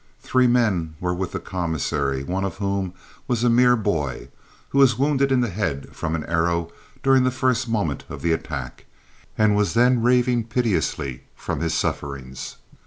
Three men were with the commissary, one of whom was a mere boy, who was wounded in the head from an arrow during the first moment of the attack, and was then raving piteously from his sufferings.